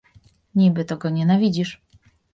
"Niby to go nienawidzisz?"